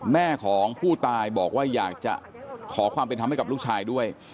แม่ของผู้ตายบอกว่าอยากจะขอความเป็นธรรมให้กับลูกชายด้วย